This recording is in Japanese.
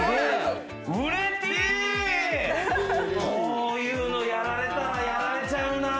こういうのやられたら、やられちゃうなぁ。